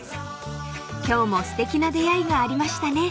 ［今日もすてきな出会いがありましたね］